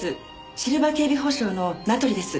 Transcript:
シルバー警備保障の名取です。